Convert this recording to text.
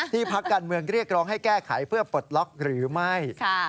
พักการเมืองเรียกร้องให้แก้ไขเพื่อปลดล็อกหรือไม่